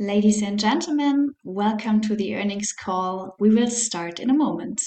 Ladies and gentlemen, welcome to the earnings call. We will start in a moment.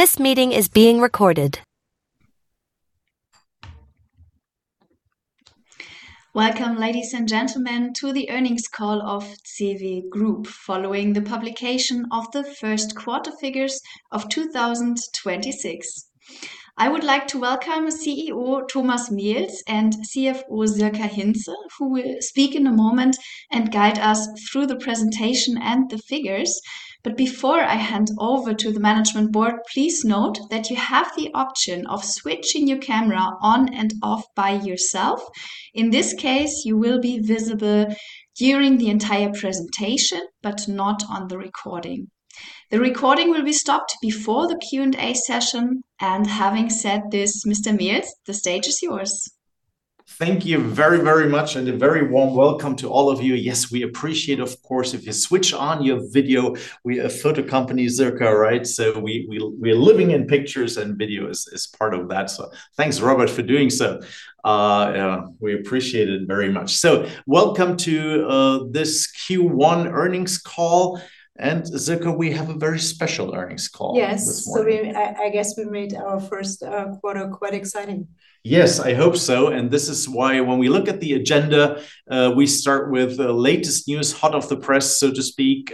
This meeting is being recorded. Welcome, ladies and gentlemen, to the earnings call of CEWE Group following the publication of the first quarter figures of 2026. I would like to welcome Chief Executive Officer Thomas Mehls and Chief Financial Officer Sirka Hintze, who will speak in a moment and guide us through the presentation and the figures. Before I hand over to the management board, please note that you have the option of switching your camera on and off by yourself. In this case, you will be visible during the entire presentation, but not on the recording. The recording will be stopped before the Q&A session. Having said this, Mr. Mehls, the stage is yours. Thank you very, very much and a very warm welcome to all of you. Yes, we appreciate, of course, if you switch on your video. We are a photo company, Sirka, right? We're living in pictures, and video is part of that, so thanks very much for doing so. Yeah, we appreciate it very much. Welcome to this Q1 earnings call. Sirka, we have a very special earnings call. Yes This morning. We, I guess we made our first quarter quite exciting. Yes, I hope so. This is why when we look at the agenda, we start with the latest news, hot off the press, so to speak.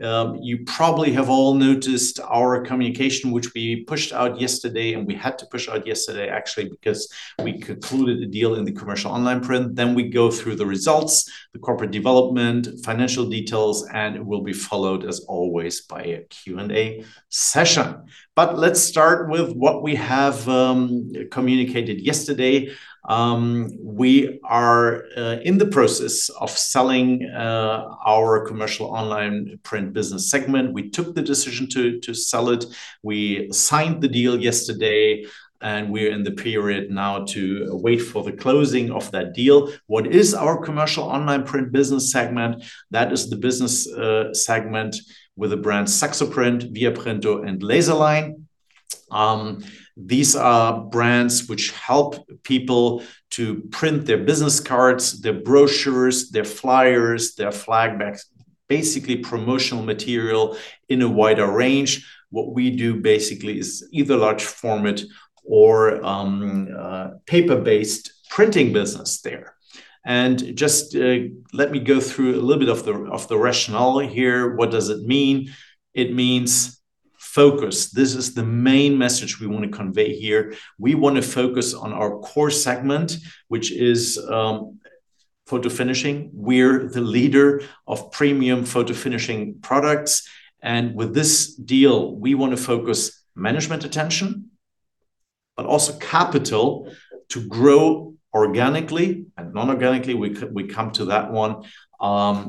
You probably have all noticed our communication, which we pushed out yesterday, and we had to push out yesterday actually, because we concluded a deal in the Commercial Online Print. We go through the results, the corporate development, financial details, and it will be followed, as always, by a Q&A session. Let's start with what we have communicated yesterday. We are in the process of selling our Commercial Online Print business segment. We took the decision to sell it. We signed the deal yesterday, and we're in the period now to wait for the closing of that deal. What is our Commercial Online Print business segment? That is the business segment with the brand SAXOPRINT, viaprinto and LASERLINE. These are brands which help people to print their business cards, their brochures, their flyers, their flag bags, basically promotional material in a wider range. What we do basically is either large format or a paper-based printing business there. Just let me go through a little bit of the rationale here. What does it mean? It means focus. This is the main message we want to convey here. We want to focus on our core segment, which is photo finishing. We're the leader of premium photo finishing products. With this deal, we want to focus management attention but also capital to grow organically and non-organically. We come to that one, our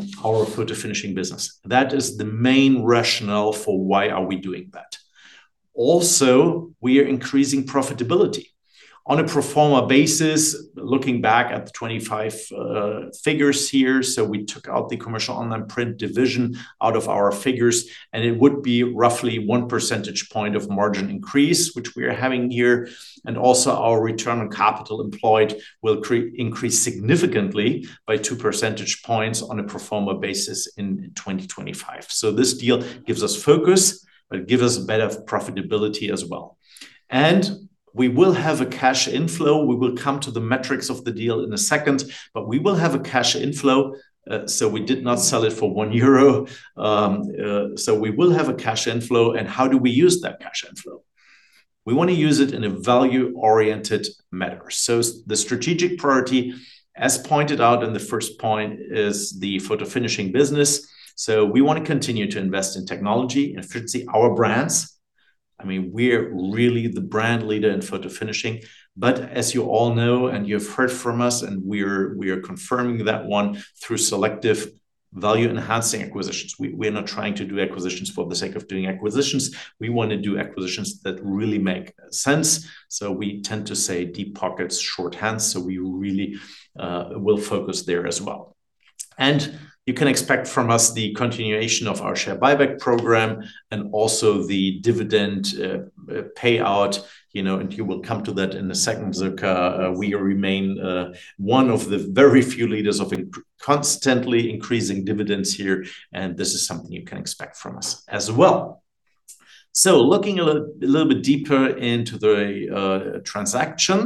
photo finishing business. That is the main rationale for why are we doing that. We are increasing profitability. On a pro forma basis, looking back at the 2025 figures here, we took out the commercial online print division out of our figures, it would be roughly 1 percentage point of margin increase, which we are having here. Our return on capital employed will increase significantly by 2 percentage points on a pro forma basis in 2025. This deal gives us focus, but gives us better profitability as well. We will have a cash inflow. We will come to the metrics of the deal in a second, we will have a cash inflow. We did not sell it for 1 euro. We will have a cash inflow, how do we use that cash inflow? We wanna use it in a value-oriented manner. The strategic priority, as pointed out in the first point, is the photo finishing business. We want to continue to invest in technology, efficiency, our brands. I mean, we're really the brand leader in photo finishing, but as you all know and you've heard from us, and we are confirming that one through selective value-enhancing acquisitions. We're not trying to do acquisitions for the sake of doing acquisitions. We want to do acquisitions that really make sense. We tend to say deep pockets, short hands. We really will focus there as well. And you can expect from us the continuation of our share buyback program and also the dividend payout, you know, and you will come to that in a second, Sirka. We remain one of the very few leaders of constantly increasing dividends here, and this is something you can expect from us as well. Looking a little bit deeper into the transaction,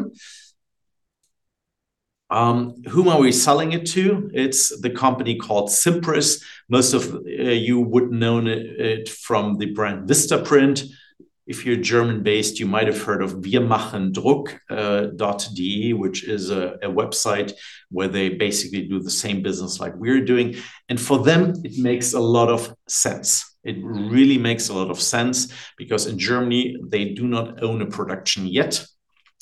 whom are we selling it to? It's the company called Cimpress. Most of you would known it from the brand Vistaprint. If you're German-based, you might have heard of WIRmachenDRUCK.de, which is a website where they basically do the same business like we're doing. For them, it makes a lot of sense. It really makes a lot of sense because in Germany, they do not own a production yet,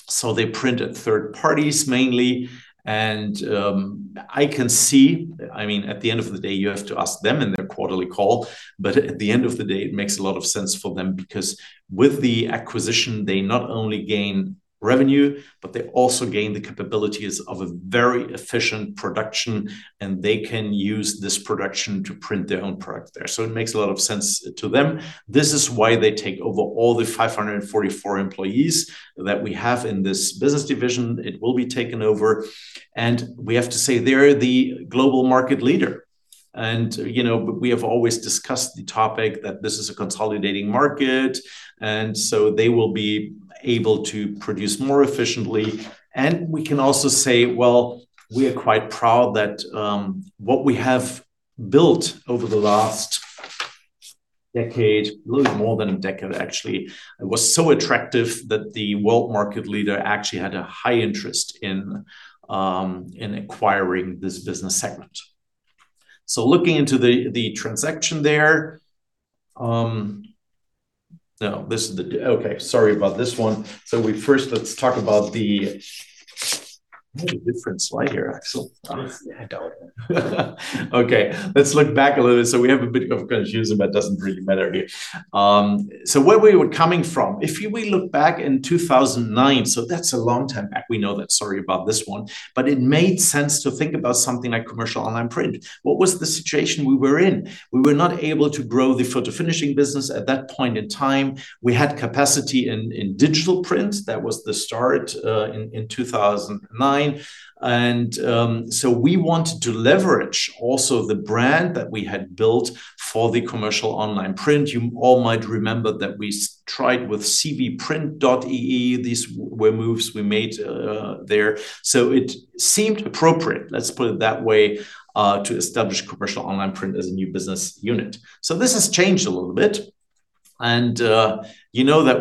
so they print at third parties mainly. I can see, I mean, at the end of the day, you have to ask them in their quarterly call. At the end of the day, it makes a lot of sense for them because with the acquisition, they not only gain revenue, but they also gain the capabilities of a very efficient production, and they can use this production to print their own product there. It makes a lot of sense to them. This is why they take over all the 544 employees that we have in this business division. It will be taken over, and we have to say they're the global market leader. You know, we have always discussed the topic that this is a consolidating market, and so they will be able to produce more efficiently. We can also say, well, we are quite proud that what we have built over the last decade, a little more than a decade actually, was so attractive that the world market leader actually had a high interest in acquiring this business segment. Looking into the transaction there, No, this is the Okay, sorry about this one. Let's talk about the I have a different slide here, Axel. Yes. Yeah, I doubt it. Okay. Let's look back a little. We have a bit of confusion, but it doesn't really matter here. Where we were coming from. If you will look back in 2009, that's a long time back. We know that. Sorry about this one. It made sense to think about something like commercial online print. What was the situation we were in? We were not able to grow the photo finishing business at that point in time. We had capacity in digital print. That was the start in 2009. We want to leverage also the brand that we had built for the commercial online print. You all might remember that we tried with cewe-print.de. These were moves we made there. It seemed appropriate, let's put it that way, to establish commercial online print as a new business unit. You know that,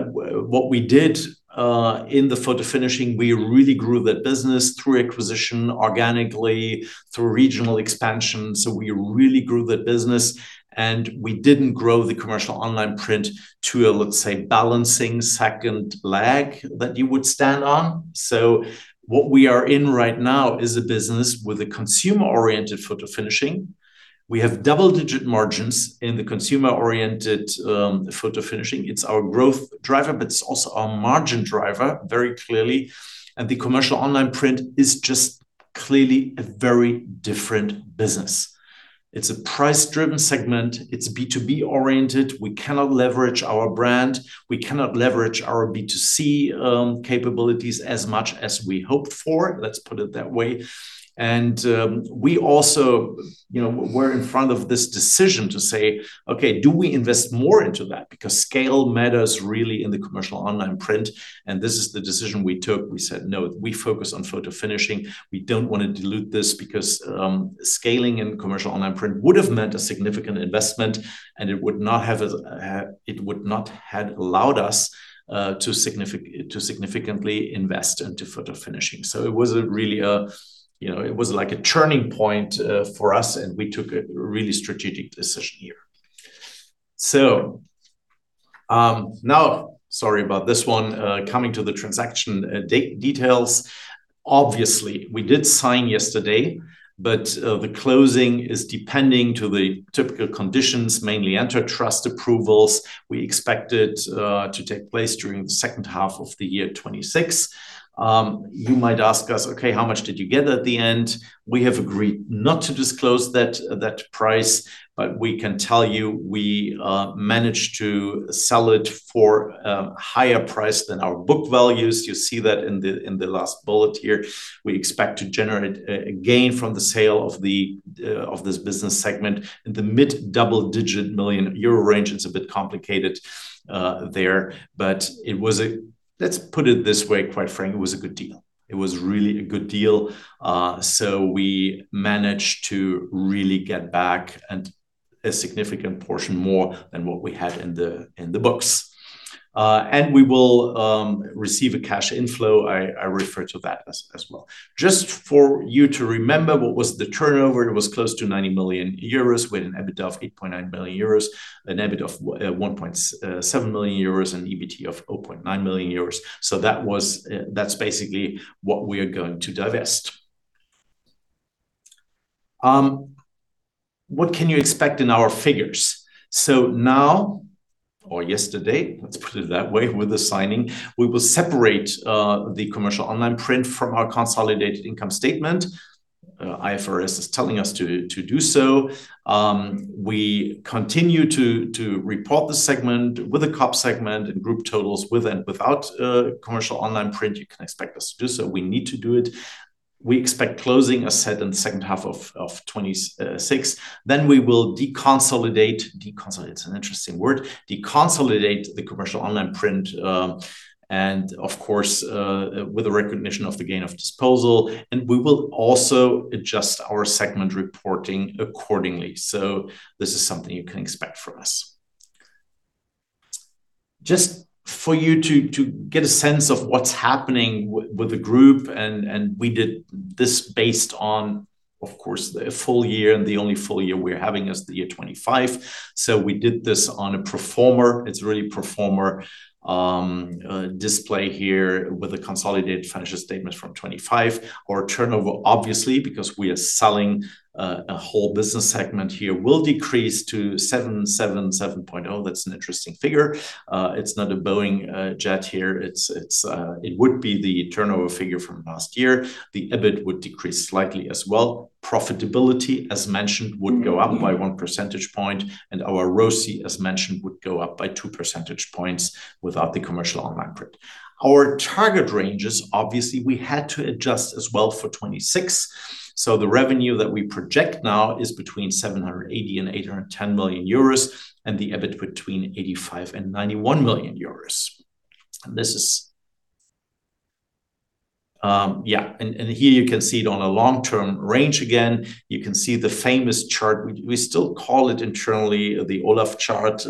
what we did in the photo finishing, we really grew that business through acquisition organically, through regional expansion. We really grew that business, and we didn't grow the commercial online print to a, let's say, balancing second leg that you would stand on. What we are in right now is a business with a consumer-oriented photo finishing. We have double-digit margins in the consumer-oriented photo finishing. It's our growth driver, but it's also our margin driver very clearly. The commercial online print is just clearly a very different business. It's a price-driven segment. It's B2B oriented. We cannot leverage our brand. We cannot leverage our B2C capabilities as much as we hoped for, let's put it that way. We also, you know, were in front of this decision to say, "Okay, do we invest more into that?" Because scale matters really in the commercial online print, and this is the decision we took. We said, "No, we focus on photo finishing." We don't wanna dilute this because scaling in commercial online print would have meant a significant investment, and it would not had allowed us to significantly invest into photo finishing. It was a really, you know, it was like a turning point for us, and we took a really strategic decision here. Now, sorry about this one, coming to the transaction details. Obviously, we did sign yesterday, but the closing is depending to the typical conditions, mainly antitrust approvals. We expect it to take place during the second half of the year 2026. You might ask us, "Okay, how much did you get at the end?" We have agreed not to disclose that price, but we can tell you we managed to sell it for a higher price than our book values. You see that in the last bullet here. We expect to generate a gain from the sale of this business segment in the mid double-digit million euro range. It's a bit complicated there. Let's put it this way, quite frank, it was a good deal. It was really a good deal. We managed to really get back and a significant portion more than what we had in the, in the books. We will receive a cash inflow. I refer to that as well. Just for you to remember what was the turnover, it was close to 90 million euros with an EBITDA of 8.9 million euros, an EBIT of 1.7 million euros, and EBT of 0.9 million euros. That was, that's basically what we are going to divest. What can you expect in our figures? Now or yesterday, let's put it that way, with the signing, we will separate the commercial online print from our consolidated income statement. IFRS is telling us to do so. We continue to report the segment with a COP segment and group totals with and without commercial online print. You can expect us to do so. We need to do it. We expect closing a set in the second half of 2026. We will deconsolidate deconsolidate is an interesting word. Deconsolidate the commercial online print, and of course, with a recognition of the gain of disposal, and we will also adjust our segment reporting accordingly. This is something you can expect from us. Just for you to get a sense of what's happening with the group, and we did this based on, of course, the full year and the only full year we're having is the year 2025. We did this on a pro forma. It's really pro forma display here with a consolidated financial statement from 2025 or turnover, obviously, because we are selling a whole business segment here, will decrease to 777.0. That's an interesting figure. It's not a Boeing jet here. It would be the turnover figure from last year. The EBIT would decrease slightly as well. Profitability, as mentioned, would go up by 1 percentage point, and our ROCE, as mentioned, would go up by 2 percentage points without the commercial online print. Our target ranges, obviously, we had to adjust as well for 2026. The revenue that we project now is between 780 million and 810 million euros, and the EBIT between 85 million and 91 million euros. Here you can see it on a long-term range again. You can see the famous chart. We still call it internally the Olaf chart,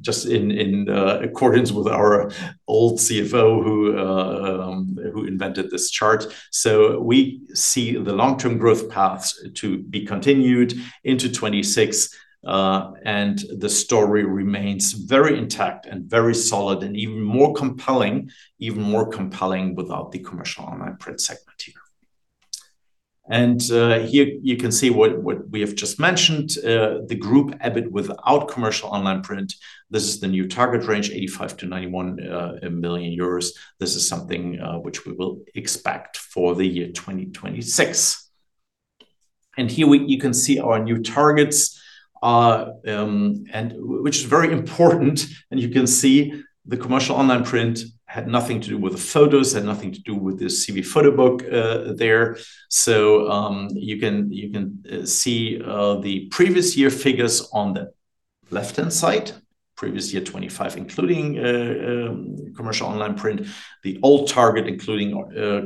just in accordance with our old Chief Financial Officer who invented this chart. We see the long-term growth paths to be continued into 2026, and the story remains very intact and very solid and even more compelling without the commercial online print segment here. Here you can see what we have just mentioned, the group EBIT without commercial online print. This is the new target range, 85 million-91 million euros. This is something which we will expect for the year 2026. Here you can see our new targets, and which is very important. You can see the commercial online print had nothing to do with the photos, had nothing to do with the CEWE PHOTOBOOK there. You can see the previous year figures on the left-hand side, previous year 2025, including commercial online print, the old target including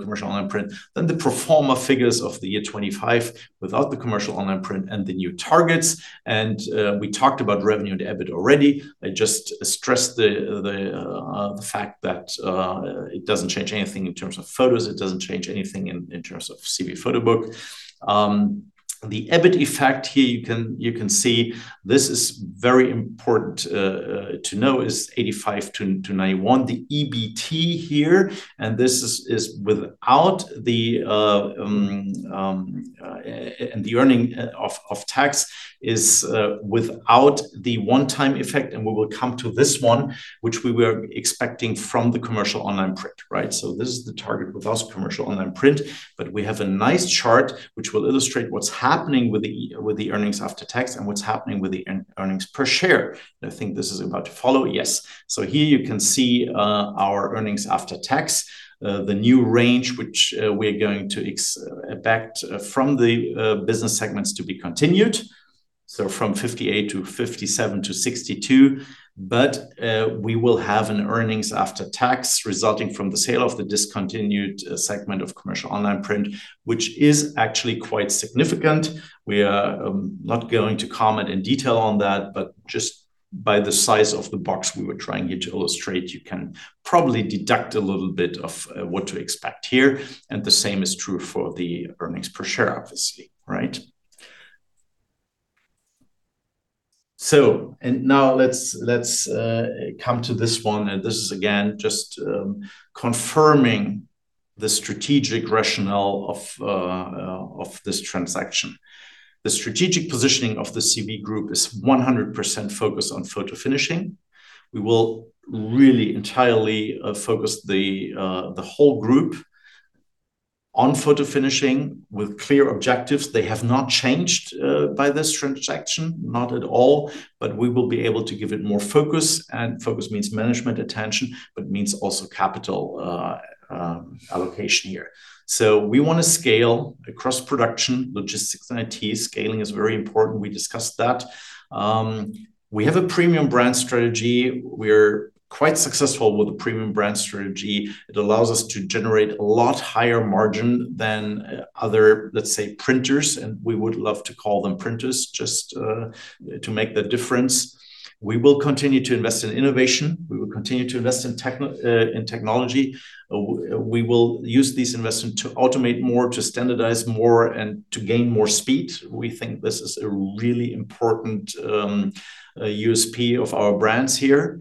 commercial online print, then the pro forma figures of the year 2025 without the commercial online print and the new targets. We talked about revenue and EBIT already. I just stressed the fact that it doesn't change anything in terms of photos. It doesn't change anything in terms of CEWE PHOTOBOOK. The EBIT effect here, you can see this is very important to know, is 85-91. The EBT here, and this is without the earning of tax, is without the one-time effect, and we will come to this one, which we were expecting from the commercial online print, right? This is the target without commercial online print, but we have a nice chart which will illustrate what's happening with the earnings after tax and what's happening with the earnings per share. I think this is about to follow. Yes. Here you can see our earnings after tax, the new range which we're going to expect from the business segments to be continued, so from 58-57-EUR 62. We will have an earnings after tax resulting from the sale of the discontinued segment of Commercial Online Print, which is actually quite significant. We are not going to comment in detail on that, but just by the size of the box we were trying here to illustrate, you can probably deduct a little bit of what to expect here, and the same is true for the earnings per share, obviously. Now let's come to this one, and this is again just confirming the strategic rationale of this transaction. The strategic positioning of the CEWE Group is 100% focused on photo finishing. We will really entirely focus the whole group on photo finishing with clear objectives. They have not changed by this transaction. Not at all. We will be able to give it more focus, and focus means management attention, but means also capital allocation here. We want to scale across production, logistics, and IT. Scaling is very important. We discussed that. We have a premium brand strategy. We are quite successful with the premium brand strategy. It allows us to generate a lot higher margin than other, let's say, printers, and we would love to call them printers just to make the difference. We will continue to invest in innovation. We will continue to invest in technology. We will use this investment to automate more, to standardize more, and to gain more speed. We think this is a really important USP of our brands here.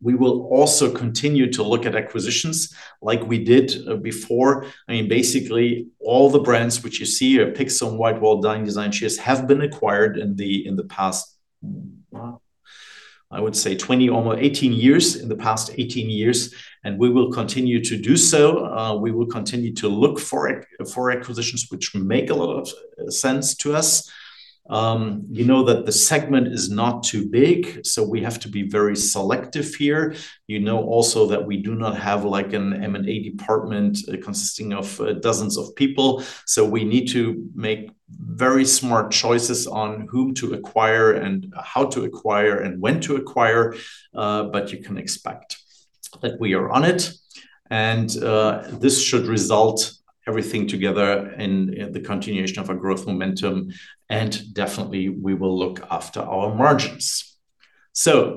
We will also continue to look at acquisitions like we did before. I mean, basically all the brands which you see are Pixum, WhiteWall, DeinDesign, Cheerz have been acquired in the past, well, 18 years. In the past 18 years, we will continue to do so. We will continue to look for acquisitions which make a lot of sense to us. You know that the segment is not too big, we have to be very selective here. You know also that we do not have like an M&A department consisting of dozens of people. We need to make very smart choices on whom to acquire and how to acquire and when to acquire. You can expect that we are on it, this should result everything together in the continuation of a growth momentum, definitely we will look after our margins.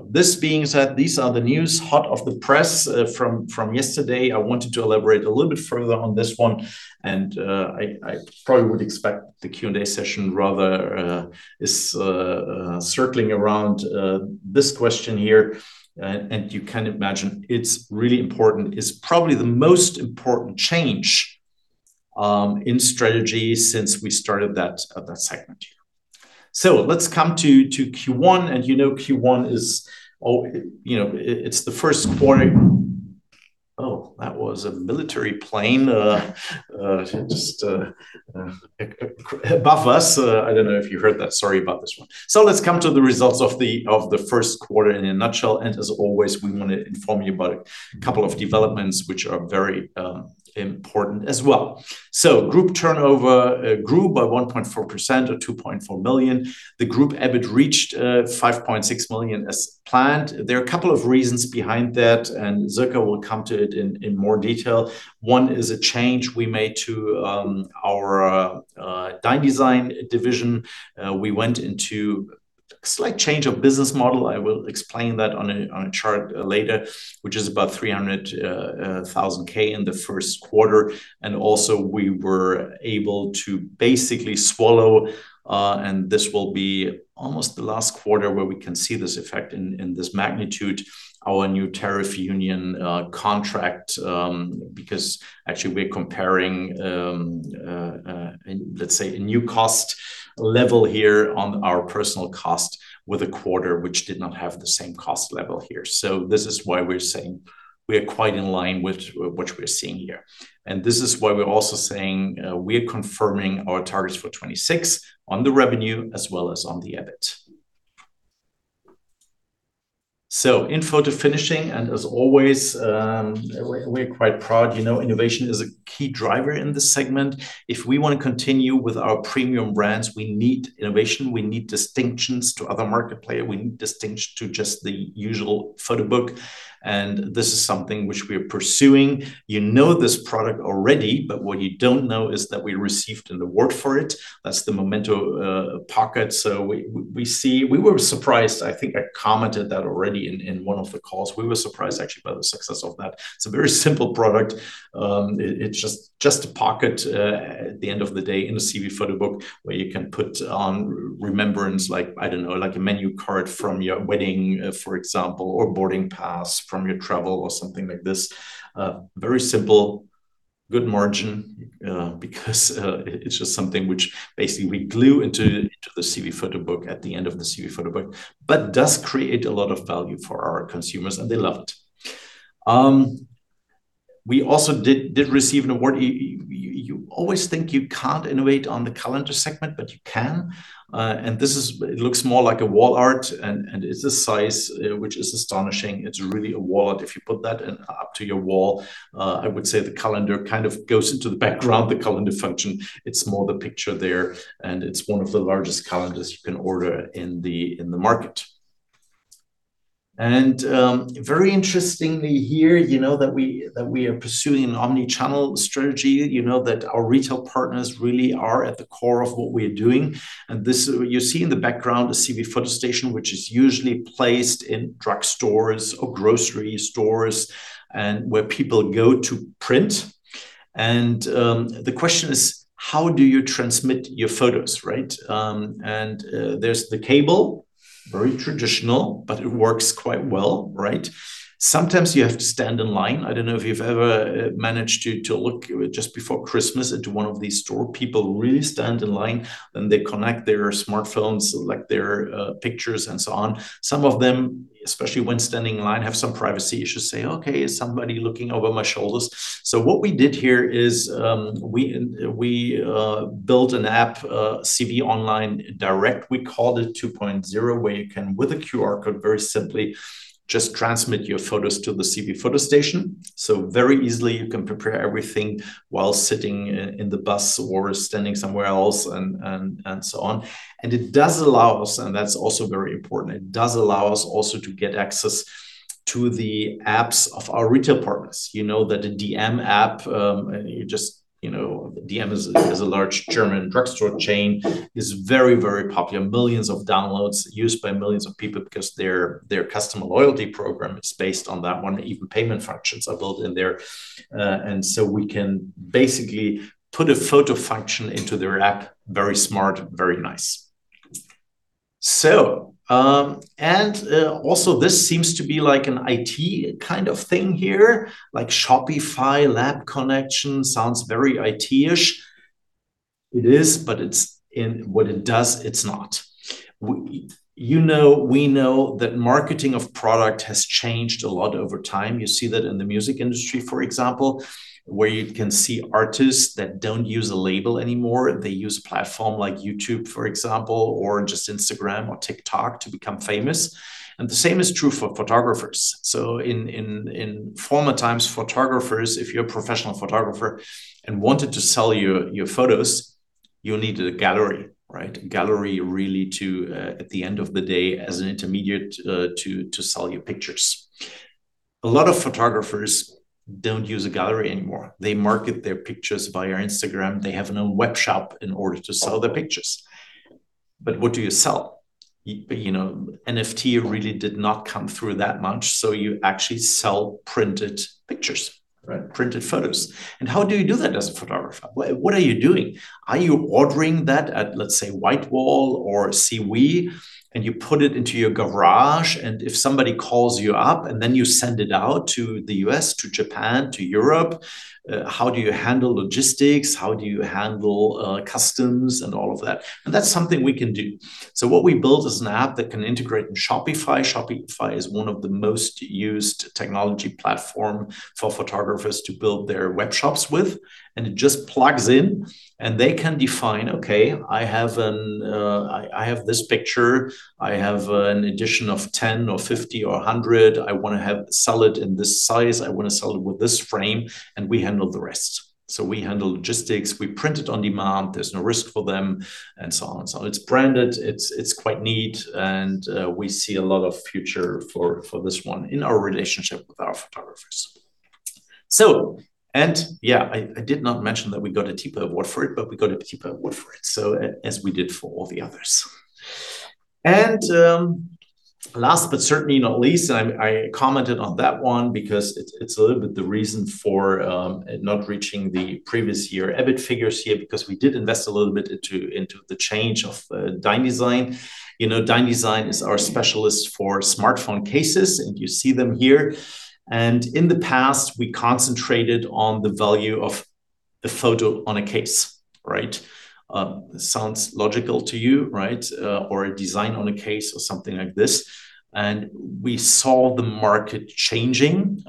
This being said, these are the news hot off the press from yesterday. I wanted to elaborate a little bit further on this one, and I probably would expect the Q&A session rather is circling around this question here. And you can imagine it's really important. It's probably the most important change in strategy since we started that segment here. Let's come to Q1, and you know Q1 is, you know, it's the first quarter. Oh, that was a military plane just above us. I don't know if you heard that. Sorry about this one. Let's come to the results of the first quarter in a nutshell. As always, we want to inform you about a couple of developments which are very important as well. Group turnover grew by 1.4% or 2.4 million. The Group EBIT reached 5.6 million as planned. There are a couple of reasons behind that, and Sirka will come to it in more detail. One is a change we made to our DeinDesign division. We went into a slight change of business model. I will explain that on a chart later, which is about 300,000 in the first quarter. Also we were able to basically swallow, and this will be almost the last quarter where we can see this effect in this magnitude, our new tariff union contract. Actually we're comparing, let's say a new cost level here on our personal cost with a quarter which did not have the same cost level here. This is why we're saying we are quite in line with what we're seeing here. This is why we're also saying, we're confirming our targets for 2026 on the revenue as well as on the EBIT. In photo finishing, and as always, we're quite proud. You know, innovation is a key driver in this segment. If we want to continue with our premium brands, we need innovation. We need distinctions to other market player. We need distinction to just the usual CEWE PHOTOBOOK, and this is something which we are pursuing. You know this product already, but what you don't know is that we received an award for it. That's the Memento Pocket. We were surprised. I think I commented that already in one of the calls. We were surprised actually by the success of that. It's just a pocket at the end of the day in a CEWE PHOTOBOOK where you can put on remembrance, like, I don't know, like a menu card from your wedding, for example, or boarding pass from your travel or something like this. Very simple. Good margin, because it's just something which basically we glue into the CEWE PHOTOBOOK at the end of the CEWE PHOTOBOOK. Does create a lot of value for our consumers, and they love it. We also did receive an award. You always think you can't innovate on the calendar segment, but you can. It looks more like a wall art, and it's a size which is astonishing. It's really a wall art. If you put that up to your wall, I would say the calendar kind of goes into the background, the calendar function. It's more the picture there, and it's one of the largest calendars you can order in the market. Very interestingly here, you know that we are pursuing an omni-channel strategy. You know that our retail partners really are at the core of what we're doing, you see in the background a CEWE Photostation, which is usually placed in drugstores or grocery stores and where people go to print. The question is, how do you transmit your photos, right? There's the cable, very traditional, but it works quite well, right? Sometimes you have to stand in line. I don't know if you've ever managed to look just before Christmas into one of these stores. People really stand in line, and they connect their smartphones, select their pictures and so on. Some of them, especially when standing in line, have some privacy issues, say, "Okay, is somebody looking over my shoulders?" What we did here is, we built an app, CEWE Online Direct, we called it, 2.0, where you can, with a QR code, very simply just transmit your photos to the CEWE Photostation. Very easily you can prepare everything while sitting in the bus or standing somewhere else and so on. It does allow us-- and that's also very important, it does allow us also to get access to the apps of our retail partners. You know that the dm app, you just, you know, dm is a large German drugstore chain, is very, very popular. Millions of downloads, used by millions of people because their customer loyalty program is based on that one, even payment functions are built in there. We can basically put a photo function into their app. Very smart, very nice. Also this seems to be like an IT kind of thing here, like Shopify Lab Connection. Sounds very IT-ish. It is, but it's-- in what it does, it's not. You know, we know that marketing of product has changed a lot over time. You see that in the music industry, for example, where you can see artists that don't use a label anymore. They use a platform like YouTube, for example, or just Instagram or TikTok to become famous. The same is true for photographers. In former times, photographers, if you're a professional photographer and wanted to sell your photos, you needed a gallery, right? Gallery really to at the end of the day, as an intermediate, to sell your pictures. A lot of photographers don't use a gallery anymore. They market their pictures via Instagram. They have a web shop in order to sell their pictures. What do you sell? You know, NFT really did not come through that much, so you actually sell printed pictures, right? Printed photos. How do you do that as a photographer? What are you doing? Are you ordering that at, let's say, WhiteWall or CEWE, you put it into your garage, if somebody calls you up, then you send it out to the U.S., to Japan, to Europe? How do you handle logistics? How do you handle customs and all of that? That's something we can do. What we built is an app that can integrate in Shopify. Shopify is one of the most used technology platform for photographers to build their web shops with, it just plugs in, they can define, okay, I have this picture. I have an edition of 10 or 50 or 100. I wanna sell it in this size. I wanna sell it with this frame, we handle the rest. We handle logistics. We print it on demand. There's no risk for them, and so on and so on. It's branded. It's quite neat. We see a lot of future for this one in our relationship with our photographers. Yeah, I did not mention that we got a TIPA award for it. We got a TIPA award for it, as we did for all the others. Last but certainly not least, I commented on that one because it's a little bit the reason for not reaching the previous year EBIT figures here, because we did invest a little bit into the change of DeinDesign. You know, DeinDesign is our specialist for smartphone cases, and you see them here. In the past, we concentrated on the value of the photo on a case, right? Sounds logical to you, right? Or a design on a case or something like this. We saw the market changing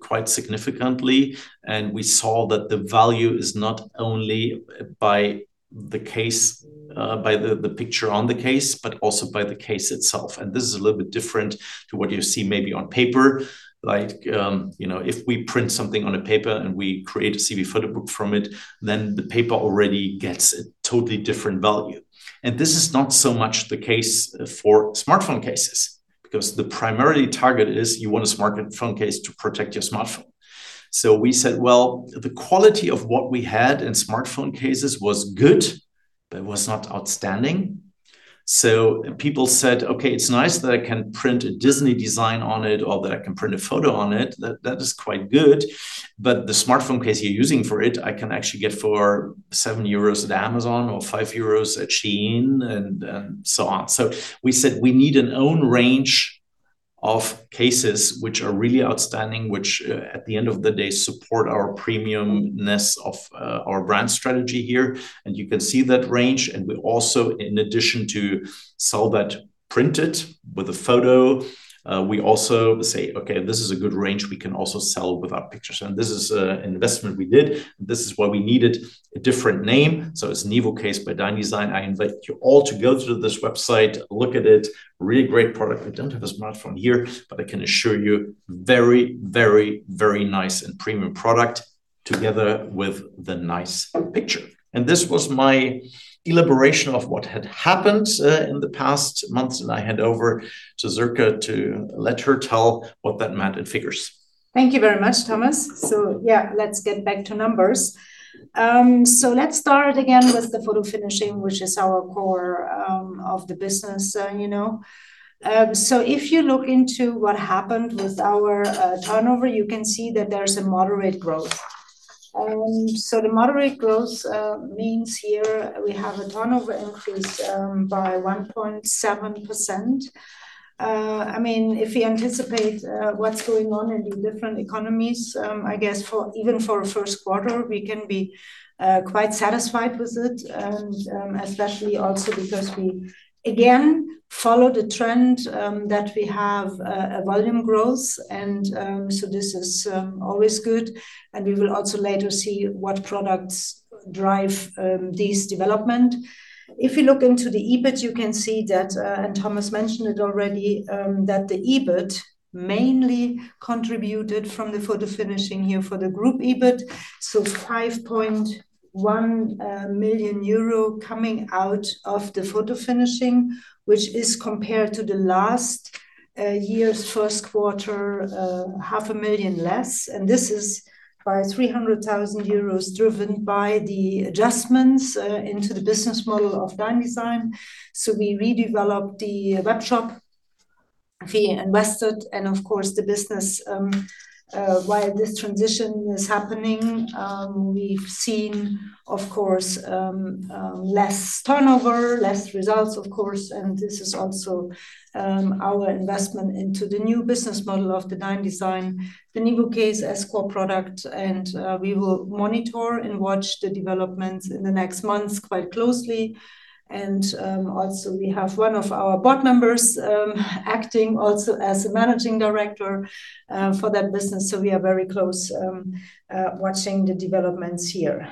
quite significantly, and we saw that the value is not only by the case, by the picture on the case, but also by the case itself. This is a little bit different to what you see maybe on paper. Like, you know, if we print something on a paper, and we create a CEWE PHOTOBOOK from it, then the paper already gets a totally different value. This is not so much the case for smartphone cases, because the primary target is you want a smartphone case to protect your smartphone. We said, well, the quality of what we had in smartphone cases was good, but it was not outstanding. People said, "Okay, it's nice that I can print a Disney design on it or that I can print a photo on it." That is quite good. The smartphone case you're using for it, I can actually get for 7 euros at Amazon or 5 euros at Shein, so on. We said we need an own range of cases which are really outstanding, which at the end of the day, support our premium-ness of our brand strategy here. You can see that range. We also, in addition to sell that printed with a photo, we also say, "Okay, this is a good range we can also sell without pictures." This is an investment we did. This is why we needed a different name. It's NIVOCASE by DeinDesign. I invite you all to go to this website, look at it. Really great product. We don't have a smartphone here, but I can assure you, very, very, very nice and premium product. Together with the nice picture. This was my elaboration of what had happened in the past months, and I hand over to Sirka to let her tell what that meant in figures. Thank you very much, Thomas. Let's get back to numbers. Let's start again with the photofinishing, which is our core of the business. If you look into what happened with our turnover, you can see that there's a moderate growth. The moderate growth means here we have a turnover increase by 1.7%. If we anticipate what's going on in the different economies, I guess for even for first quarter, we can be quite satisfied with it. Especially also because we again follow the trend that we have a volume growth and this is always good, and we will also later see what products drive this development. If you look into the EBIT, you can see that, and Thomas mentioned it already, that the EBIT mainly contributed from the photofinishing here for the group EBIT. 5.1 million euro coming out of the photofinishing, which is compared to the last year's first quarter, 500,000 less, and this is by 300,000 euros driven by the adjustments into the business model of DeinDesign. We redeveloped the webshop. We invested and of course the business, while this transition is happening, we've seen, of course, less turnover, less results, of course, and this is also our investment into the new business model of the DeinDesign. The new book is a core product and, we will monitor and watch the developments in the next months quite closely. Also we have one of our board members acting also as a managing director for that business. We are very close watching the developments here.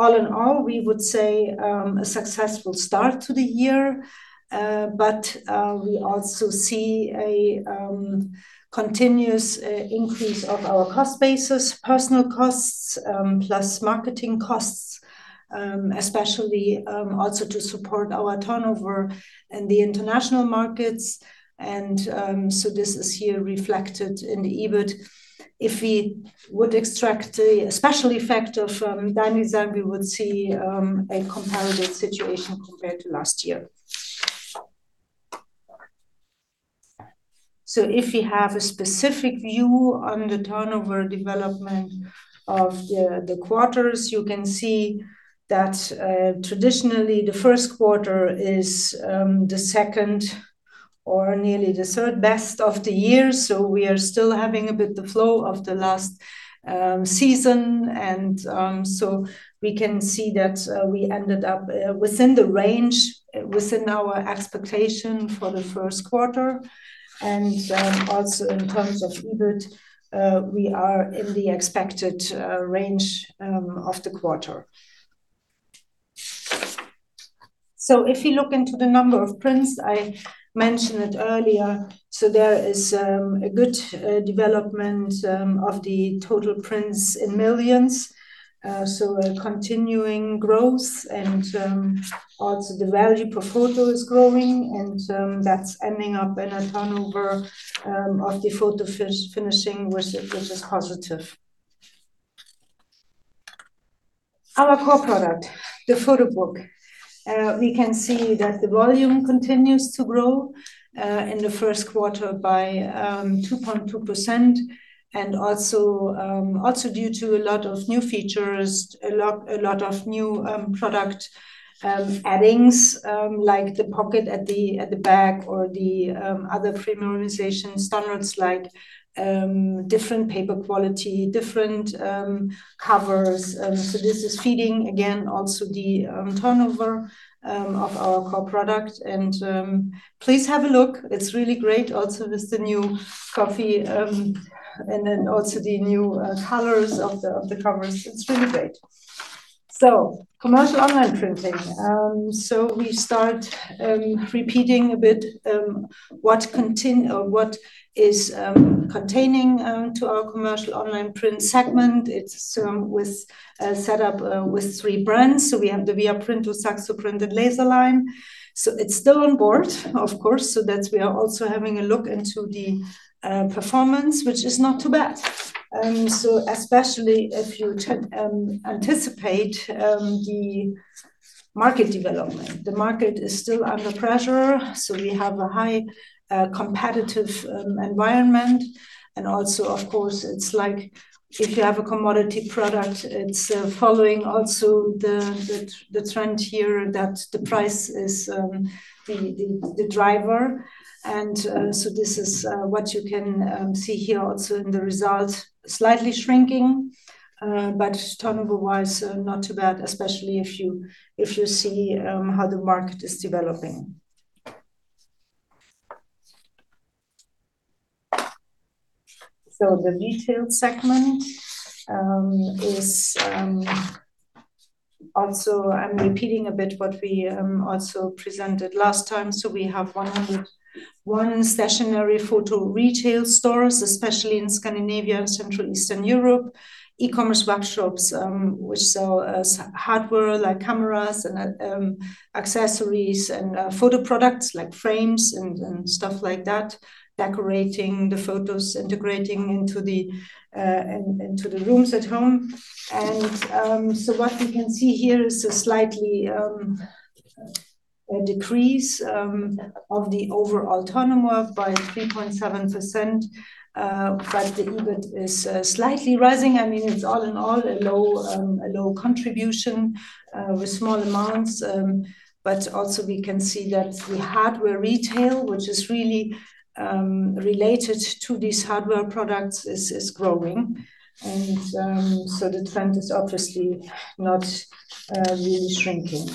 All in all, we would say a successful start to the year. We also see a continuous increase of our cost basis, personnel costs plus marketing costs, especially also to support our turnover in the international markets. This is here reflected in the EBIT. If we would extract the special effect of DeinDesign, we would see a comparable situation compared to last year. If you have a specific view on the turnover development of the quarters, you can see that traditionally, the first quarter is the second or nearly the third best of the year. We are still having a bit the flow of the last season, and we can see that we ended up within the range, within our expectation for the first quarter. Also in terms of EBIT, we are in the expected range of the quarter. If you look into the number of prints, I mentioned it earlier. There is a good development of the total prints in millions. A continuing growth, and also the value per photo is growing, and that's ending up in a turnover of the photofinishing, which is positive, our core product, the CEWE PHOTOBOOK. We can see that the volume continues to grow in the first quarter by 2.2% and also due to a lot of new features, a lot of new product addings, like the pocket at the back or the other premiumization standards like different paper quality, different covers. This is feeding again also the turnover of our core product. Please have a look. It's really great also with the new covers and then also the new colors of the covers. It's really great. Commercial Online Printing. We start repeating a bit what is containing to our Commercial Online Printing segment. It's with set up with three brands. We have the WIRmachenDRUCK, SAXOPRINT, and LASERLINE. It's still on board, of course, so that we are also having a look into the performance, which is not too bad. Especially if you anticipate the market development. The market is still under pressure, so we have a high competitive environment. Also, of course, it's like if you have a commodity product, it's following also the, the trend here that the price is the, the driver. This is what you can see here also in the results, slightly shrinking. Turnover-wise, not too bad, especially if you see how the market is developing. The retail segment is. Also, I'm repeating a bit what we also presented last time. We have 101 stationary photo retail stores, especially in Scandinavia and Central Eastern Europe. E-commerce workshops, which sell us hardware like cameras and accessories and photo products like frames and stuff like that, decorating the photos, integrating into the rooms at home. What we can see here is a slightly a decrease of the overall turnover by 3.7%. The EBIT is slightly rising. I mean it's all in all a low contribution with small amounts. Also we can see that the hardware retail, which is really related to these hardware products is growing. The trend is obviously not really shrinking.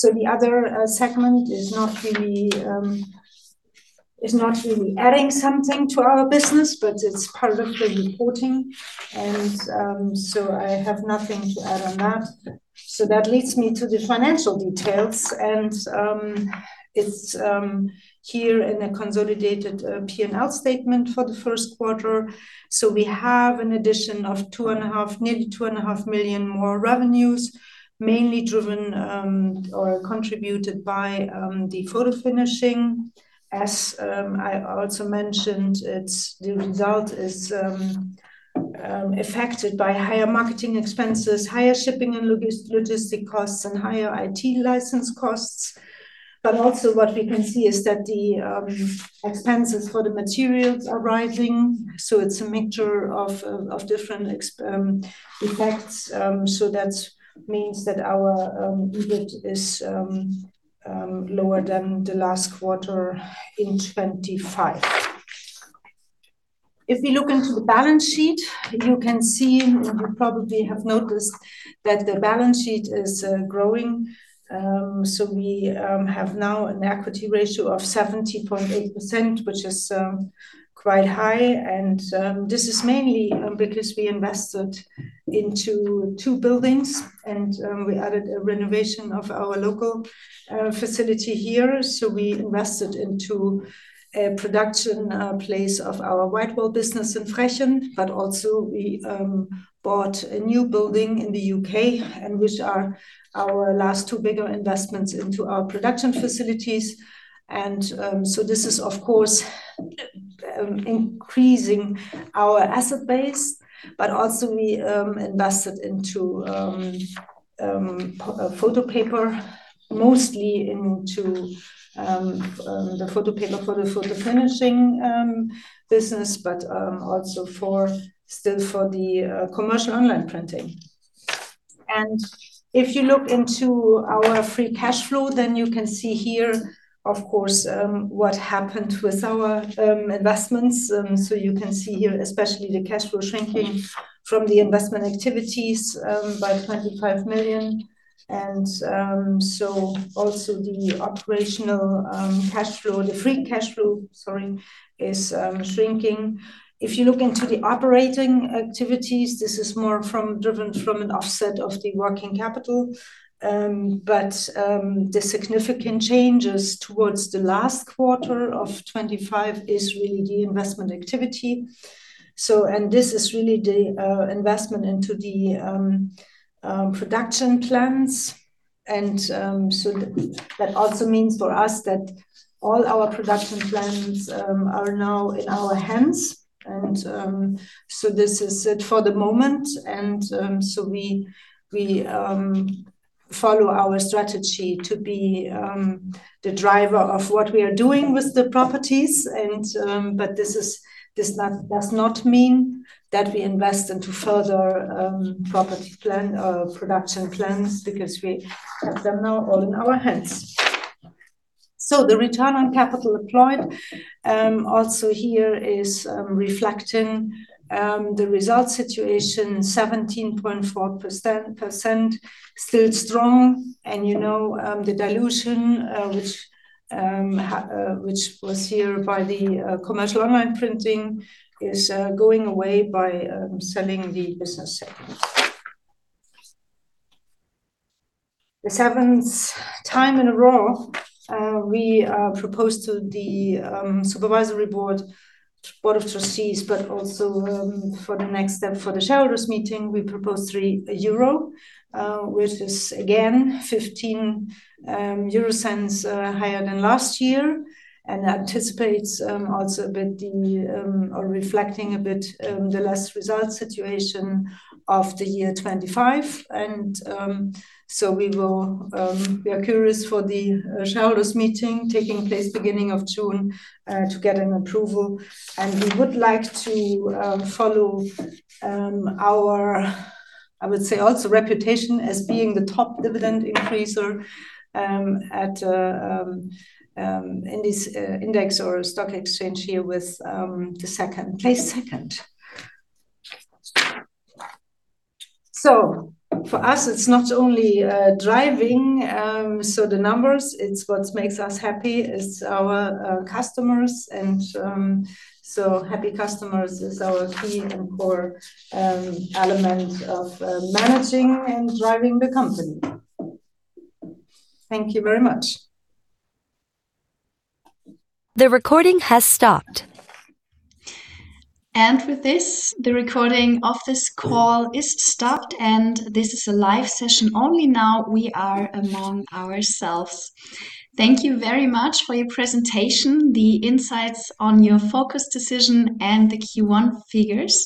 The other segment is not really adding something to our business, but it's part of the reporting and I have nothing to add on that. That leads me to the financial details. It's here in a consolidated P&L statement for the first quarter. We have an addition of nearly 2.5 million more revenues, mainly driven or contributed by the photo finishing. As I also mentioned, the result is affected by higher marketing expenses, higher shipping and logistic costs, and higher IT license costs. Also what we can see is that the expenses for the materials are rising, so it's a mixture of different effects. That means that our EBIT is lower than the last quarter in 2025. If we look into the balance sheet, you can see, or you probably have noticed that the balance sheet is growing. We have now an equity ratio of 70.8%, which is quite high. This is mainly because we invested into two buildings and we added a renovation of our local facility here. We invested into a production place of our WhiteWall business in Frechen, but also we bought a new building in the U.K. and which are our last two bigger investments into our production facilities. This is of course increasing our asset base, but also we invested into photo paper, mostly into the photo paper for the photo finishing business, but also for, still for the commercial online printing. If you look into our free cash flow, you can see here, of course, what happened with our investments. You can see here, especially the cash flow shrinking from the investment activities by 25 million. Also the operational cash flow, the free cash flow, sorry, is shrinking. If you look into the operating activities, this is more from, driven from an offset of the working capital. The significant changes towards the last quarter of 2025 is really the investment activity. This is really the investment into the production plans. That also means for us that all our production plans are now in our hands. This is it for the moment. We follow our strategy to be the driver of what we are doing with the properties, but this does not mean that we invest into further property production plans because we have them now all in our hands. The ROCE also here is reflecting the result situation 17.4% still strong. You know, the dilution which was here by the Commercial Online Printing is going away by selling the business segment. The seventh time in a row, we are proposed to the supervisory board of trustees, but also for the next step for the shareholders meeting, we propose 3 euro, which is again 0.15 higher than last year, and anticipates also a bit the or reflecting a bit the less result situation of the year 2025. We are curious for the shareholders meeting taking place beginning of June to get an approval. We would like to follow our, I would say also reputation as being the top dividend increaser at in this index or stock exchange here with the second place. For us, it's not only driving so the numbers, it's what makes us happy. It's our customers and happy customers is our key and core element of managing and driving the company. Thank you very much. The recording has stopped The recording of this call is stopped, and this is a live session only now we are among ourselves. Thank you very much for your presentation, the insights on your focus decision and the Q1 figures.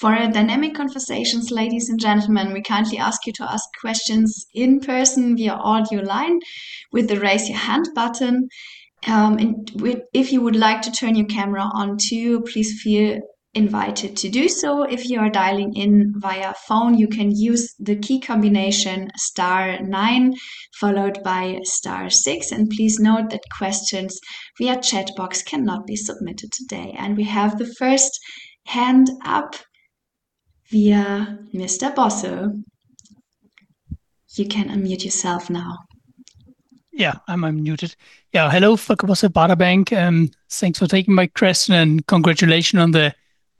For our dynamic conversations, ladies and gentlemen, we kindly ask you to ask questions in person via audio line with the Raise Your Hand button. If you would like to turn your camera on too, please feel invited to do so. If you are dialing in via phone, you can use the key combination star nine followed by star six. Please note that questions via chat box cannot be submitted today. We have the first hand up via Mr. Bosse. You can unmute yourself now. Yeah, I'm unmuted. Yeah. Hello, Volker Bosse, Baader Bank. Thanks for taking my question, and congratulations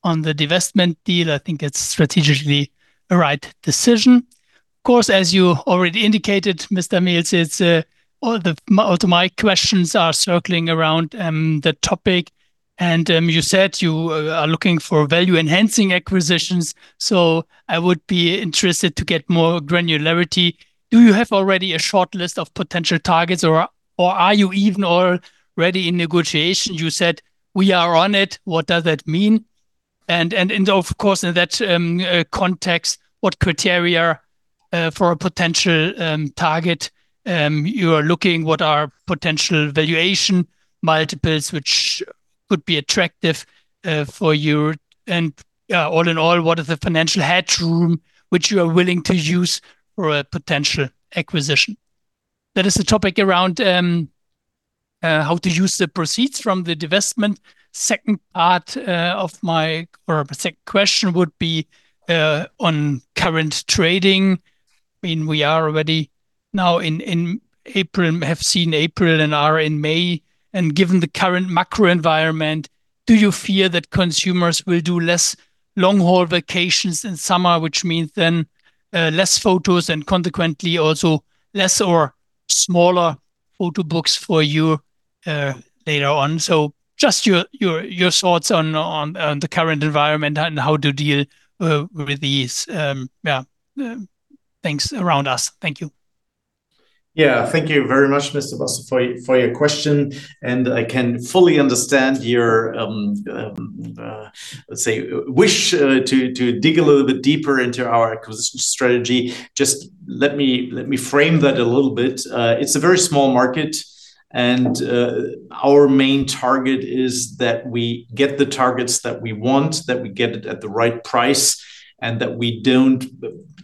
on the divestment deal. I think it's strategically the right decision. Of course, as you already indicated, Mr. Mehls, it's all of my questions are circling around the topic. You said you are looking for value-enhancing acquisitions, so I would be interested to get more granularity. Do you have already a shortlist of potential targets or are you even already in negotiation? You said, "We are on it." What does that mean? Of course, in that context, what criteria for a potential target you are looking? What are potential valuation multiples which could be attractive for you? All in all, what is the financial headroom which you are willing to use for a potential acquisition? That is the topic around how to use the proceeds from the divestment. Second part of my or second question would be on current trading. I mean, we are already now in April, have seen April and are in May, and given the current macro environment, do you fear that consumers will do less long-haul vacations in summer, which means then less photos and consequently also less or smaller photo books for you later on? Just your thoughts on the current environment and how to deal with these things around us. Thank you. Yeah. Thank you very much, Mr. Bosse, for your question. I can fully understand your let's say wish to dig a little bit deeper into our acquisition strategy. Just let me frame that a little bit. It's a very small market. Our main target is that we get the targets that we want, that we get it at the right price, and that we don't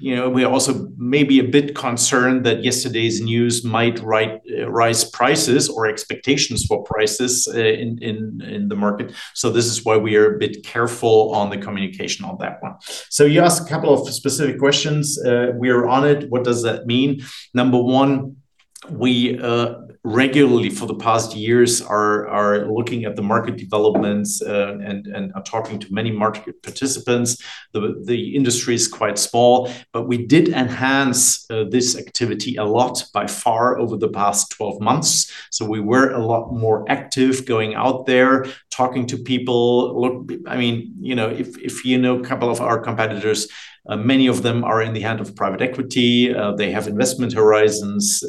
You know, we are also maybe a bit concerned that yesterday's news might rise prices or expectations for prices in the market. This is why we are a bit careful on the communication on that one. You asked a couple of specific questions. We are on it. What does that mean? Number one, we regularly for the past years are looking at the market developments and are talking to many market participants. The industry is quite small, but we did enhance this activity a lot by far over the past 12 months. We were a lot more active going out there, talking to people. Look, I mean, you know, if you know a couple of our competitors, many of them are in the hand of private equity. They have investment horizons.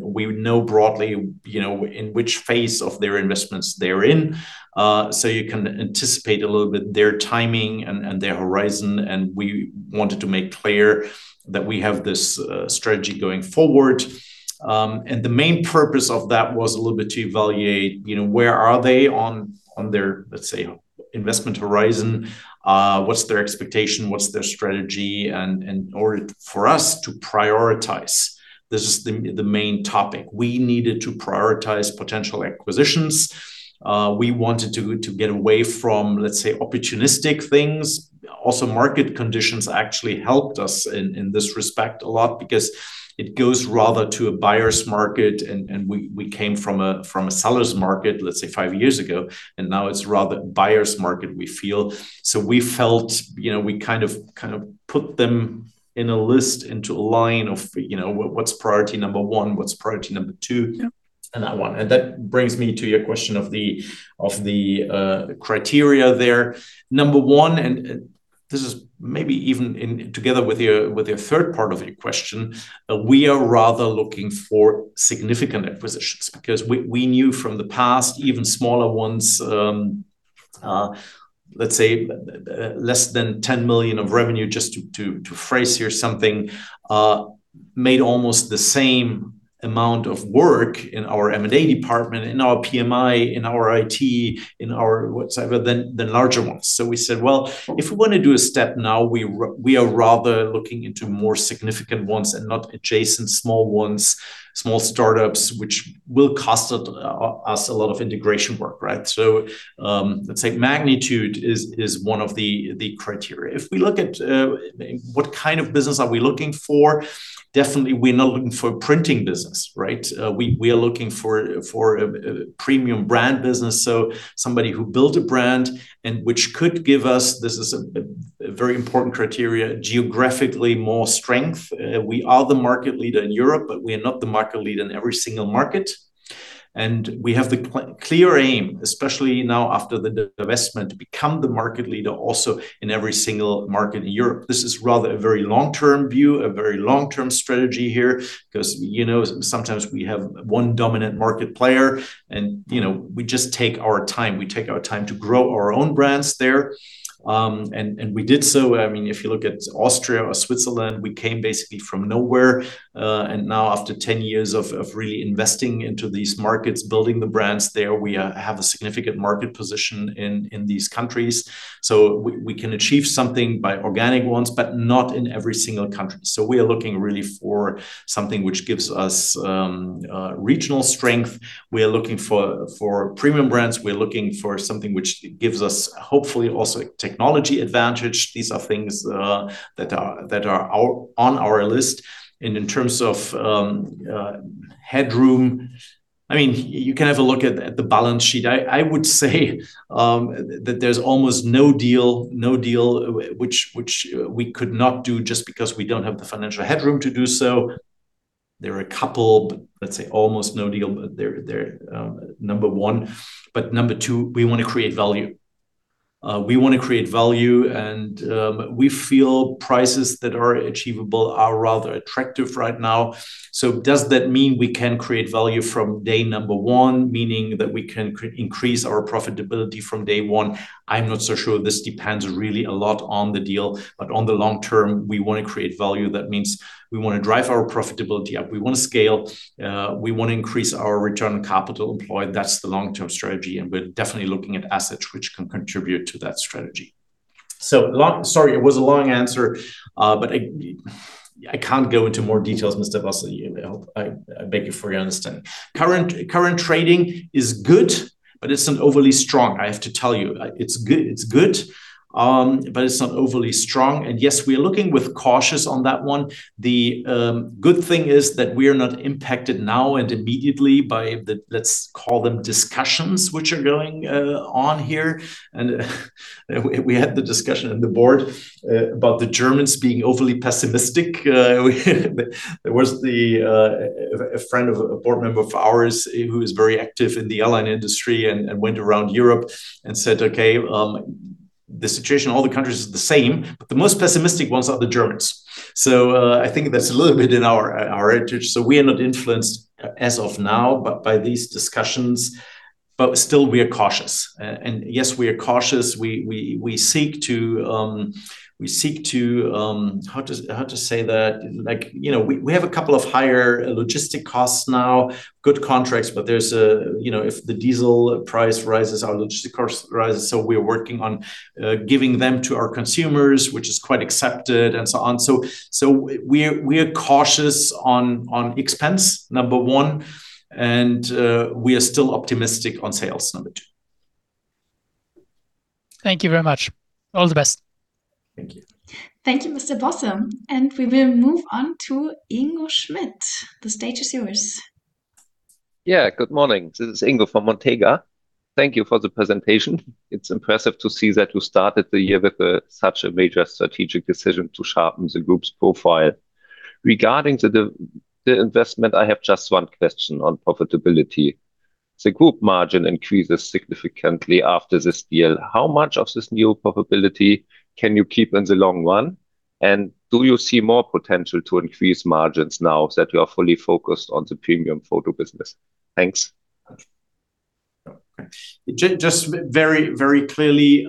We know broadly, you know, in which phase of their investments they're in. You can anticipate a little bit their timing and their horizon, and we wanted to make clear that we have this strategy going forward. The main purpose of that was a little bit to evaluate, you know, where are they on their, let's say, investment horizon. What's their expectation? What's their strategy? In order for us to prioritize, this is the main topic. We needed to prioritize potential acquisitions. We wanted to get away from, let's say, opportunistic things. Also, market conditions actually helped us in this respect a lot because it goes rather to a buyer's market and we came from a seller's market, let's say, five years ago, and now it's rather buyer's market we feel. We felt, you know, we kind of put them in a list into a line of, you know, what's priority number one, what's priority number two. Yeah That one. That brings me to your question of the criteria there. Number one, this is maybe even in together with your third part of your question. We are rather looking for significant acquisitions because we knew from the past even smaller ones, let's say, less than 10 million of revenue just to phrase here something, made almost the same amount of work in our M&A department, in our PMI, in our IT, in our whatsoever than larger ones. We said, well, if we wanna do a step now, we are rather looking into more significant ones and not adjacent small ones, small startups, which will cost us a lot of integration work, right? Let's say magnitude is one of the criteria. If we look at what kind of business are we looking for, definitely we're not looking for printing business, right? We are looking for a premium brand business, somebody who built a brand and which could give us, this is a very important criteria, geographically more strength. We are the market leader in Europe, we are not the market leader in every single market. We have the clear aim, especially now after the divestment, become the market leader also in every single market in Europe. This is rather a very long-term view, a very long-term strategy here, 'cause, you know, sometimes we have one dominant market player and, you know, we just take our time. We take our time to grow our own brands there. We did so. I mean, if you look at Austria or Switzerland, we came basically from nowhere. And now after 10 years of really investing into these markets, building the brands there, we have a significant market position in these countries. We can achieve something by organic ones, but not in every single country. We are looking really for something which gives us regional strength. We are looking for premium brands. We are looking for something which gives us, hopefully, also technology advantage. These are things that are on our list. In terms of headroom, I mean, you can have a look at the balance sheet. I would say that there's almost no deal which we could not do just because we don't have the financial headroom to do so. There are a couple, but let's say almost no deal. They're number one. Number two, we wanna create value. We wanna create value and we feel prices that are achievable are rather attractive right now. Does that mean we can create value from day number one, meaning that we can increase our profitability from day one? I'm not so sure. This depends really a lot on the deal. On the long term, we wanna create value. That means we wanna drive our profitability up. We wanna scale. We wanna increase our return on capital employed. That's the long-term strategy, and we're definitely looking at assets which can contribute to that strategy. Sorry, it was a long answer. But I can't go into more details, Mr. Bosse. I beg you for your understanding. Current trading is good, but it's not overly strong, I have to tell you. It's good, but it's not overly strong. Yes, we are looking with cautious on that one. The good thing is that we are not impacted now and immediately by the, let's call them discussions which are going on here. We had the discussion in the board about the Germans being overly pessimistic. There was the, a friend of a board member of ours, who is very active in the airline industry and went around Europe and said, "Okay, the situation in all the countries is the same, but the most pessimistic ones are the Germans." I think that's a little bit in our interest. We are not influenced as of now, but by these discussions. Still we are cautious. Yes, we are cautious. We seek to How to say that? Like, you know, we have a couple of higher logistic costs now, good contracts, but there's a, you know, if the diesel price rises, our logistic cost rises, we are working on, giving them to our consumers, which is quite accepted and so on. We're cautious on expense, number one, and we are still optimistic on sales, number two. Thank you very much. All the best. Thank you. Thank you, Mr. Bosse. We will move on to Ingo Schmidt. The stage is yours. Yeah. Good morning. This is Ingo from Montega. Thank you for the presentation. It's impressive to see that you started the year with such a major strategic decision to sharpen the Group's profile. Regarding the investment, I have just one question on profitability. The Group margin increases significantly after this deal. How much of this new profitability can you keep in the long run? Do you see more potential to increase margins now that you are fully focused on the premium photo business? Thanks. Just very, very clearly,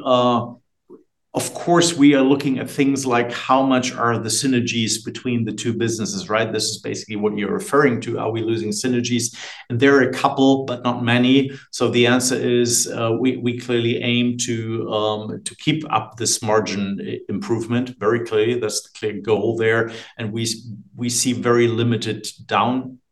of course, we are looking at things like how much are the synergies between the two businesses, right? This is basically what you're referring to. Are we losing synergies? There are a couple, but not many. The answer is, we clearly aim to keep up this margin improvement very clearly. That's the clear goal there. We see very limited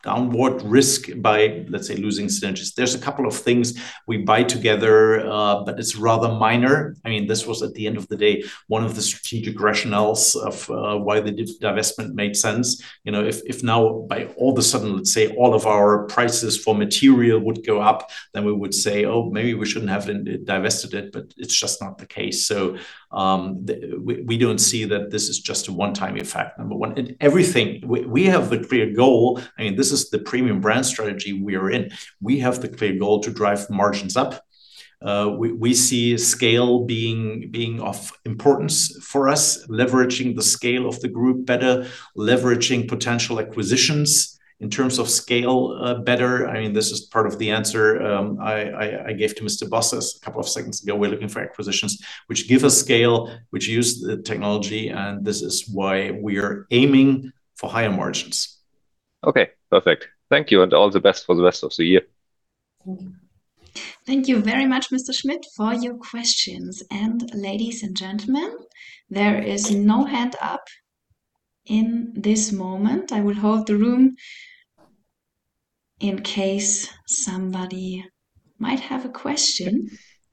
downward risk by, let's say, losing synergies. There's a couple of things we buy together, but it's rather minor. I mean, this was at the end of the day one of the strategic rationales of why the divestment made sense. You know, if now by all of a sudden, let's say, all of our prices for material would go up, then we would say, "Oh, maybe we shouldn't have divested it." It's just not the case. We don't see that this is just a one-time effect, number one. Everything, we have the clear goal, I mean, this is the premium brand strategy we are in. We have the clear goal to drive margins up. We see scale being of importance for us, leveraging the scale of the group better, leveraging potential acquisitions in terms of scale better. I mean, this is part of the answer I gave to Mr. Bosse a couple of seconds ago. We're looking for acquisitions which give us scale, which use the technology, and this is why we are aiming for higher margins. Okay. Perfect. Thank you, and all the best for the rest of the year. Thank you very much, Mr. Schmidt, for your questions. Ladies and gentlemen, there is no hand up in this moment. I will hold the room in case somebody might have a question.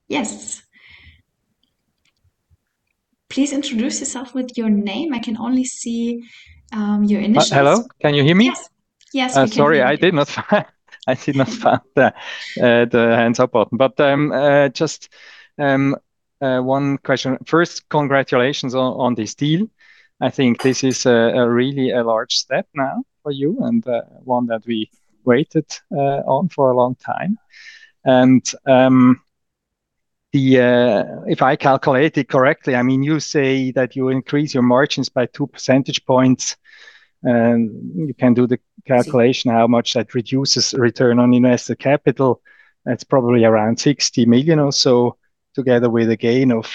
Yes. Please introduce yourself with your name. I can only see your initials. Hello. Can you hear me? Yes. Yes, we can hear you. Sorry, I did not find the hands up button. Just one question. First, congratulations on this deal. I think this is a really a large step now for you, and one that we waited on for a long time. If I calculate it correctly, I mean, you say that you increase your margins by 2 percentage points. You can do the calculation how much that reduces return on invested capital. That's probably around 60 million or so, together with a gain of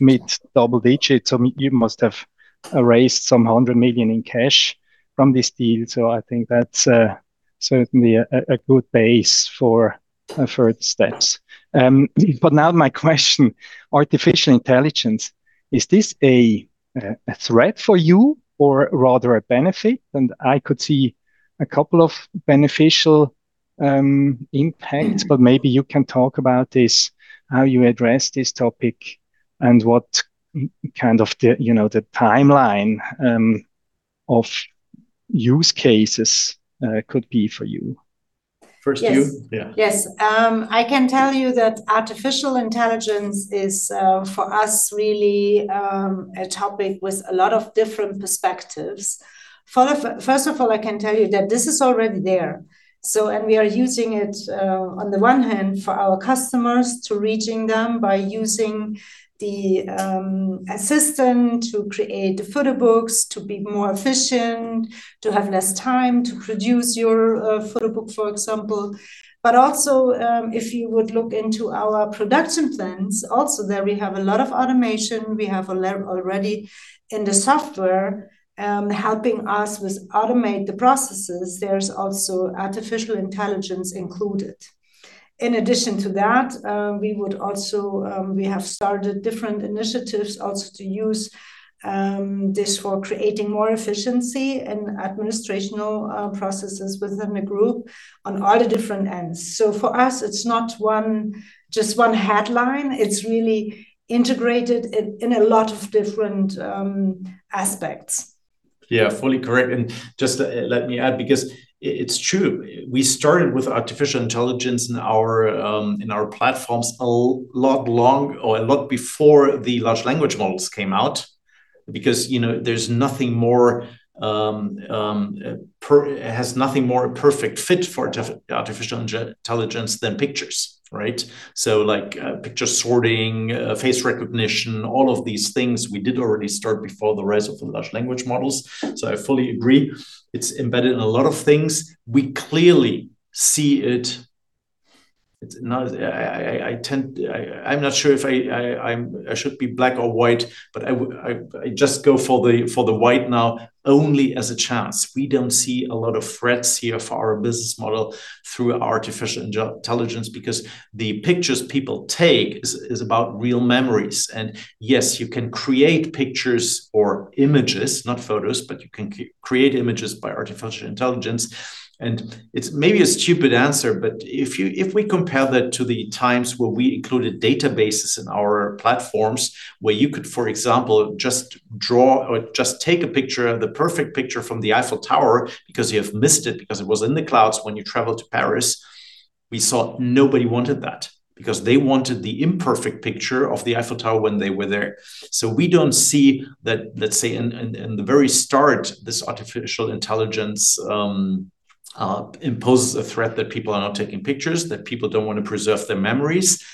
mid double digits. You must have raised some 100 million in cash from this deal, so I think that's certainly a good base for steps. Now my question, artificial intelligence, is this a threat for you, or rather a benefit? I could see a couple of beneficial impacts. Maybe you can talk about this, how you address this topic, and what kind of the, you know, the timeline of use cases could be for you. First you? Yes. Yeah. Yes. I can tell you that artificial intelligence is for us really a topic with a lot of different perspectives. First of all, I can tell you that this is already there. We are using it on the one hand for our customers to reaching them by using the assistant to create the photo books, to be more efficient, to have less time to produce your photo book, for example. Also, if you would look into our production plans, also there we have a lot of automation. We have a lot already in the software, helping us with automate the processes. There's also artificial intelligence included. In addition to that, we have started different initiatives also to use this for creating more efficiency in administrational processes within the group on all the different ends. For us, it's not one, just one headline. It's really integrated in a lot of different aspects. Yes, fully correct. Just let me add, because it's true. We started with artificial intelligence in our platforms a lot long, or a lot before the large language models came out. You know, has nothing more a perfect fit for artificial intelligence than pictures, right? Like, picture sorting, face recognition, all of these things we did already start before the rise of the large language models. I fully agree. It's embedded in a lot of things. We clearly see it. It's not, I tend, I'm not sure if I should be black or white, but I just go for the white now only as a chance. We don't see a lot of threats here for our business model through artificial intelligence, because the pictures people take is about real memories. Yes, you can create pictures or images, not photos, but you can create images by artificial intelligence. It's maybe a stupid answer, but if we compare that to the times where we included databases in our platforms, where you could, for example, just draw or just take a picture of the perfect picture from the Eiffel Tower because you have missed it, because it was in the clouds when you traveled to Paris, we saw nobody wanted that. They wanted the imperfect picture of the Eiffel Tower when they were there. We don't see that, let's say in the very start, this artificial intelligence imposes a threat that people are not taking pictures, that people don't want to preserve their memories.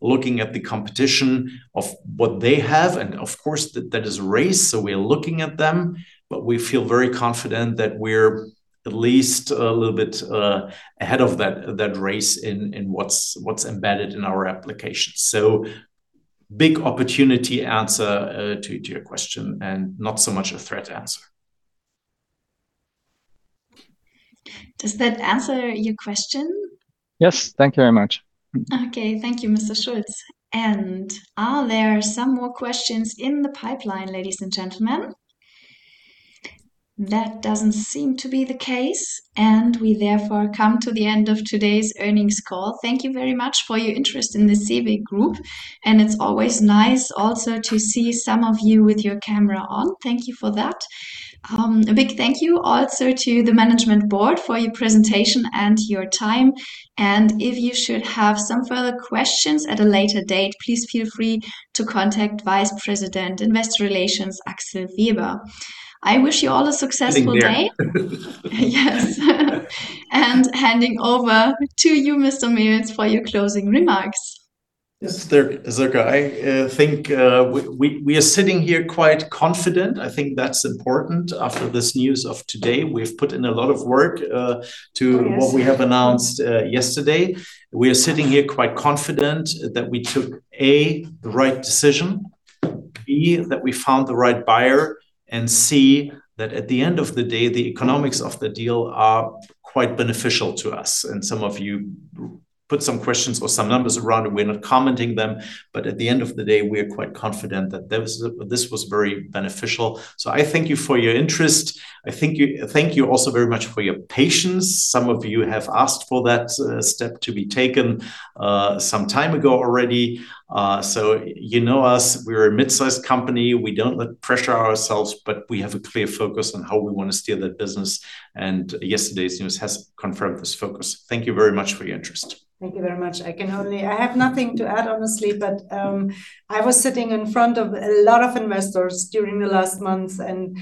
Looking at the competition of what they have, and of course that is a race, we're looking at them. We feel very confident that we're at least a little bit ahead of that race in what's embedded in our application. Big opportunity answer to your question, and not so much a threat answer. Does that answer your question? Yes. Thank you very much. Okay. Thank you, Mr. Schultz. Are there some more questions in the pipeline, ladies and gentlemen? That doesn't seem to be the case, and we therefore come to the end of today's earnings call. Thank you very much for your interest in the CEWE Group, and it's always nice also to see some of you with your camera on. Thank you for that. A big thank you also to the management board for your presentation and your time. If you should have some further questions at a later date, please feel free to contact Vice President Investor Relations, Axel Weber. I wish you all a successful day. Sitting here. Yes. Handing over to you, Mr. Mehls, for your closing remarks. Yes, Sure, I think we are sitting here quite confident. I think that's important after this news of today. We've put in a lot of work. Yes What we have announced yesterday. We are sitting here quite confident that we took, A, the right decision, B, that we found the right buyer, and C, that at the end of the day, the economics of the deal are quite beneficial to us. Some of you put some questions or some numbers around it. We're not commenting them. At the end of the day, we are quite confident that this was very beneficial. I thank you for your interest. I thank you also very much for your patience. Some of you have asked for that step to be taken some time ago already. You know us, we're a mid-sized company. We don't like pressure ourselves, but we have a clear focus on how we want to steer that business. Yesterday's news has confirmed this focus. Thank you very much for your interest. Thank you very much. I have nothing to add, honestly. I was sitting in front of a lot of investors during the last months, and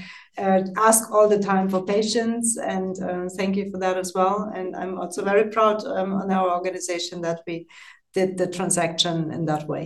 ask all the time for patience, and thank you for that as well. I'm also very proud on our organization that we did the transaction in that way.